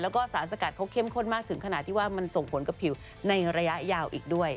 แล้วก็สารสกัดเขาเข้มข้นมากถึงขนาดที่ว่ามันส่งผลกับผิวในระยะยาวอีกด้วย